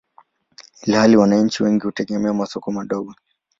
ilhali wananchi wengi hutegemea masoko madogo.